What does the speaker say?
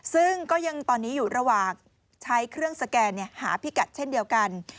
ซึ่งก็ยังตอนนี้อยู่ระหว่างใช้เครื่องสแกนหาพิกัดเช่นเดียวกัน